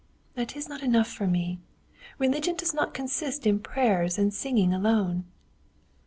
"That is not enough for me. Religion does not consist in prayers and singing alone."